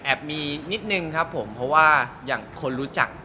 ก็แอบมีนิดหนึ่งครับพอว่าอย่างคนรู้จัก